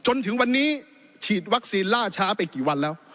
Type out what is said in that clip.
จนถึงวันนี้ฉีดวัคซีนล่าช้าไปกี่วันแล้ว